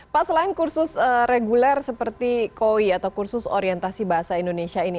pak selain kursus reguler seperti koi atau kursus orientasi bahasa indonesia ini